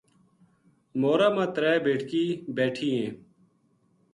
مورا ما ترے بیٹکی بیٹھی ہیں